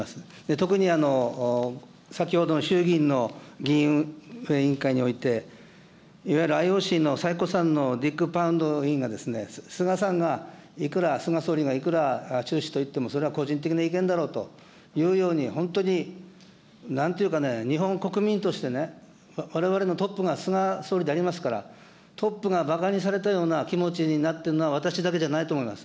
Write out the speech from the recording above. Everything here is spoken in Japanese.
特に先ほどの衆議院の議院運営委員会において、いわゆるＩＯＣの最古参のディック・パウンド委員が菅さんが、いくら菅総理がいくら中止と言ってもそれは個人的な意見だろうと、本当になんていうかね、日本国民としてね、われわれのトップは菅総理でありますから、トップがばかにされたような気持ちになってるのは私だけじゃないと思います。